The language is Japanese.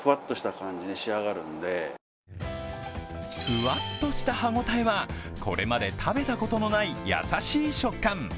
ふわっとした歯ごたえはこれまで食べたことのない優しい食感。